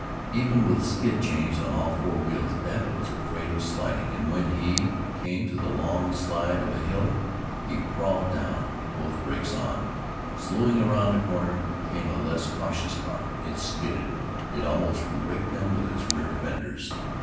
Even with skid chains on all four wheels, Babbitt was afraid of sliding, and when he came to the long slide of a hill he crawled down, both brakes on. Slewing round a corner came a less cautious car. It skidded, it almost raked them with its rear fenders.